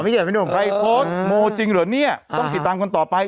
โต๊ะโมร้จริงหรอเนี่ยต้องติดตามคนต่อไป